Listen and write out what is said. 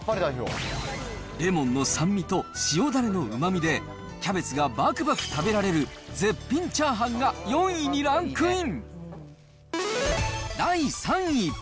レモンの酸味と塩だれのうまみで、キャベツがばくばく食べられる、絶品チャーハンが４位にランクイン。